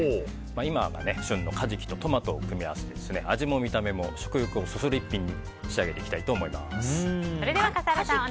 今が旬のカジキとトマトを組み合わせて味も見た目も食欲もそそる一品に仕上げていきたいと思います。